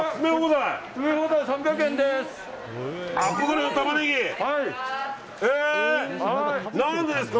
詰め放題３００円です！